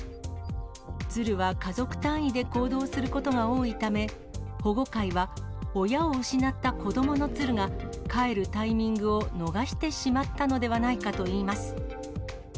ツルは家族単位で行動することが多いため、保護会は親を失った子どものツルが、帰るタイミングを逃してしまったのではないかといいます。